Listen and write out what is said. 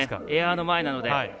エアの前なので。